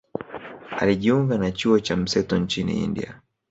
Alijiunga na chuo cha mseto nchini India